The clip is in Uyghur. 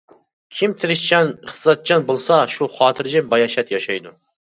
كىم تىرىشچان، ئىقتىسادچان بولسا شۇ خاتىرجەم، باياشات ياشايدۇ.